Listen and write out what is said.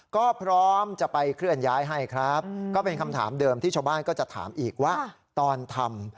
ก็พร้อมจะไปเคลื่อนย้ายให้ครับก็เป็นคำถามเดิมที่ชาวบ้านก็จะถามอีกว่าตอนทำ